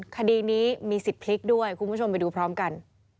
คดีนี้มีสิทธิ์พลิกด้วยคุณผู้ชมไปดูพร้อมกัน